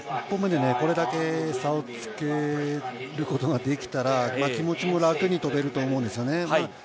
１本目でこれだけ差を付けることができたら、気持ちも楽に飛べると思うんですよね。